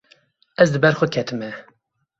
Ez li ber xwe ketime.